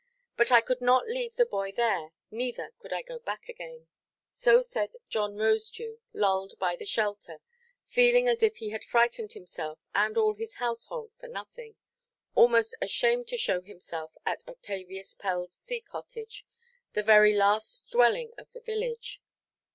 But I could not leave the boy there, neither could I go back again." So said John Rosedew, lulled by the shelter, feeling as if he had frightened himself and all his household for nothing; almost ashamed to show himself at Octavius Pellʼs sea–cottage, the very last dwelling of the village.